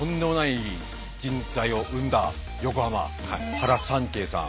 原三溪さん